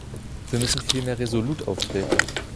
Wir müssen vielmehr resolut auftreten.